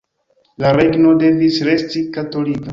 La „regno“ devis resti katolika.